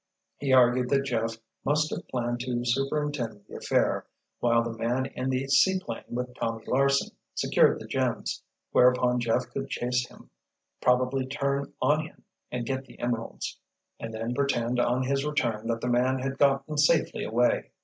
He argued that Jeff must have planned to superintend the affair, while the man in the seaplane with Tommy Larsen secured the gems, whereupon Jeff could chase him, probably turn on him and get the emeralds, and then pretend on his return that the man had gotten safely away.